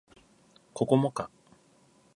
ここもか